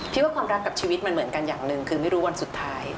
ว่าความรักกับชีวิตมันเหมือนกันอย่างหนึ่งคือไม่รู้วันสุดท้าย